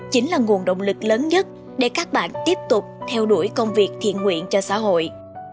chính là nguồn động lực lớn nhất để các bạn tiếp tục theo đuổi công việc thiện nguyện cho xã hội